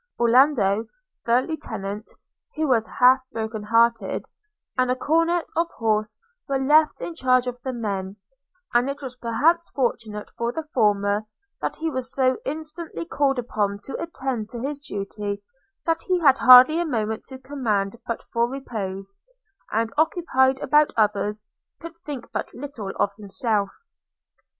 Orlando, the lieutenant (who was half broken hearted), and a cornet of horse were left in charge of the men; and it was perhaps fortunate for the former, that he was so incessantly called upon to attend to his duty that he had hardly a moment to command but for repose, and, occupied about others, could think but little of himself.